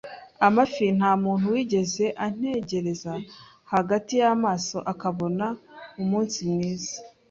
amafi. Nta muntu wigeze antegereza hagati y'amaso akabona umunsi mwiza